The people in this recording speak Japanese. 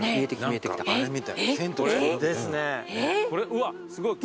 うわすごい。